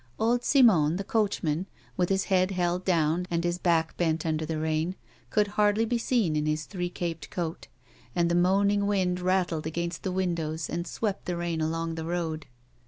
Old Simon, the coachman, with his head held down and his back bent under the rain, could hardly be seen in his three caped coat ; and the moaning wind rattled against the windows and swept the rain along the road.